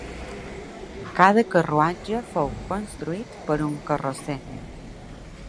Cada carruatge fou construït per un carrosser.